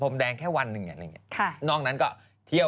แบบนี้